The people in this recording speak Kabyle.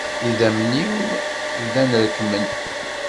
Idammen-iw bdan rekkmen.